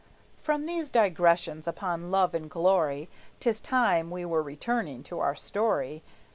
From these digressions upon love and glory, 'Tis time we were returning to our story.